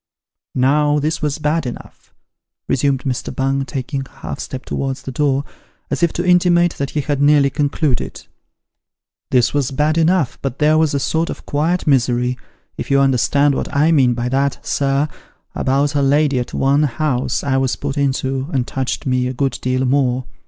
" Now this was bad enough," resumed Mr. Bung, taking a half step towards the door, as if to intimate that he had nearly concluded. " This was bad enough, but there was a sort of quiet misery if you understand what I mean by that, sir about a lady at one house I was put into, as touched me a good deal more.